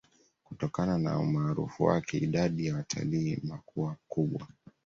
Kutokana na umaarufu wake idadi ya watalii imakuwa kubwa